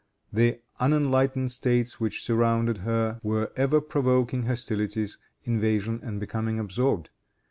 The unenlightened States which surrounded her, were ever provoking hostilities, invasion, and becoming absorbed.